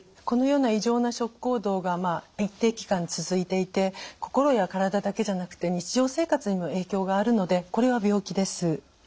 このような異常な食行動が一定期間続いていて心や体だけじゃなくて日常生活にも影響があるのでこれは病気です。